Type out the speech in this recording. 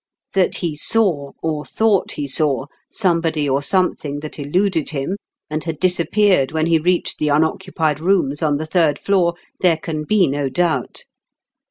That he saw, or thought he saw, somebody or something that eluded him, and had dis appeared when he reached the unoccupied rooms on the third floor, there can be no doubt.